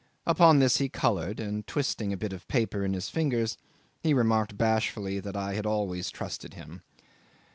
Upon this he coloured, and, twisting a bit of paper in his fingers, he remarked bashfully that I had always trusted him.